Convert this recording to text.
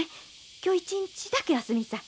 今日一日だけ休みんさい。